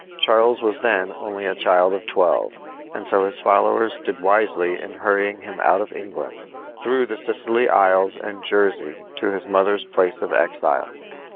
Charles was then only a child of twelve, and so his followers did wisely in hurrying him out of England, through the Scilly isles and Jersey to his mother's place of exile.